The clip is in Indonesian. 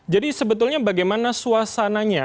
jadi sebetulnya bagaimana suasananya